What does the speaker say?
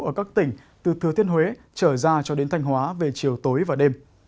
ở các tỉnh từ thừa thiên huế trở ra cho đến thanh hóa về chiều tối và đêm